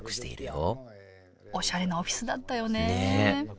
おしゃれなオフィスだったよねねえ